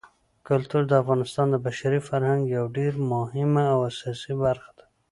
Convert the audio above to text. کلتور د افغانستان د بشري فرهنګ یوه ډېره مهمه او اساسي برخه ده.